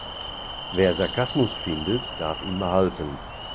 Wer Sarkasmus findet, darf ihn behalten.